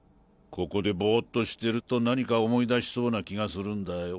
ここでボーッとしてると何か思い出しそうな気がするんだよ。